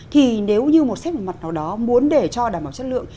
thì nếu như một sách mặt nào đó muốn để cho đảm bảo chất lượng